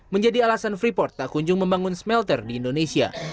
menjadi alasan freeport tak kunjung membangun smelter di indonesia